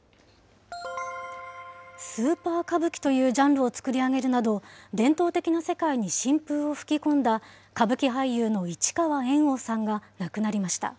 スーパー歌舞伎というジャンルを作り上げるなど、伝統的な世界に新風を吹き込んだ歌舞伎俳優の市川猿翁さんが亡くなりました。